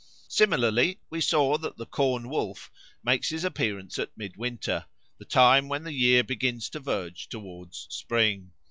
Similarly we saw that the Corn wolf makes his appearance at mid winter, the time when the year begins to verge towards spring.